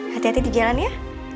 hati hati di jalan ya